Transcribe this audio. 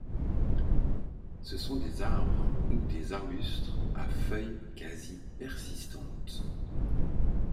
Ce sont des arbres ou des arbustes à feuilles quasi persistantes.